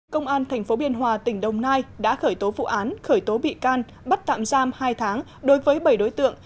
công an tp biên hòa tỉnh đồng nai đã khởi tố vụ án khởi tố bị can bắt tạm giam hai tháng đối với bảy đối tượng